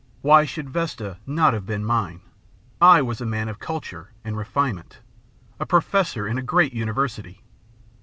Why should Vesta not have been mine? I was a man of culture and refinement, a professor in a great university.